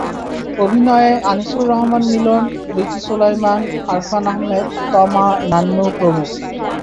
অভিনয়ে আনিসুর রহমান মিলন, রিচি সোলায়মান, আরফান আহমেদ, তমা, নান্নু প্রমুখ।